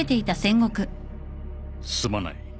すまない。